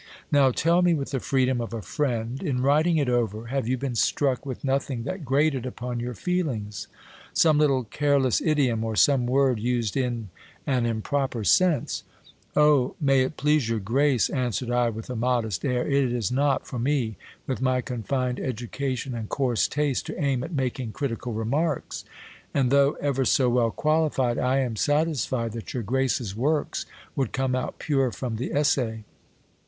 Now tell me with the freedom of a 230 GIL BLAS. friend : in writing it over, have you been struck with nothing that gritted upon your feelings ? Some little careless idiom, or some word used in an improper sense ? Oh ! may it please your grace, answered I with a modest air, it is not for me, with my confined education and coarse taste, to aim at making critical remarks. And though ever so well qualified, I am satisfied that your grace's works would come out pure from the essay.